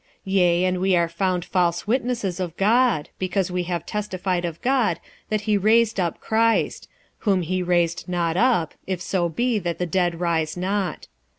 46:015:015 Yea, and we are found false witnesses of God; because we have testified of God that he raised up Christ: whom he raised not up, if so be that the dead rise not.